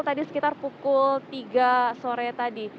tadi sekitar pukul tiga sore tadi